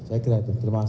saya kira itu terima kasih